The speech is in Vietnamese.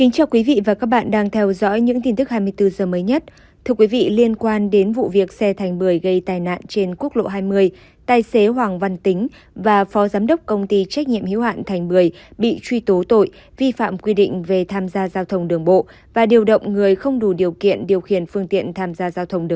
chào mừng quý vị đến với bộ phim hãy nhớ like share và đăng ký kênh của chúng mình nhé